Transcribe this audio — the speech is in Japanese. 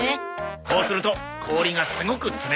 こうすると氷がすごく冷たくなるんだ。